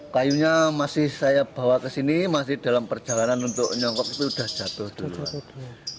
kayunya masih saya bawa ke sini masih dalam perjalanan untuk nyongkok itu sudah jatuh dulu